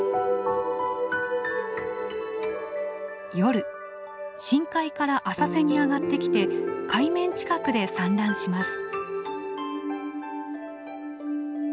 夜深海から浅瀬に上がってきて海面近くで産卵します。